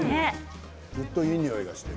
ずっといいにおいがしている。